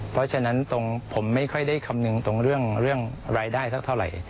เพราะฉะนั้นตรงผมไม่ค่อยได้คำนึงตรงเรื่องรายได้สักเท่าไหร่